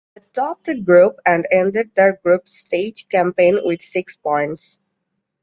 They topped the group and ended their group stage campaign with six points.